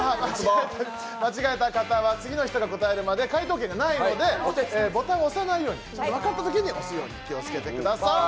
間違えた方は次の人が答えるまで解答権がないのでボタンを押さないように、分かったときに押すように気をつけてください。